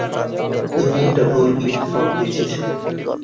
তুমি একটা ভুল ইউনিফর্ম বেছেছ।